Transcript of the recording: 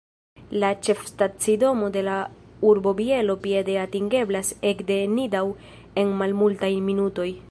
La ĉefstacidomo de la urbo Bielo piede atingeblas ek de Nidau en malmultaj minutoj.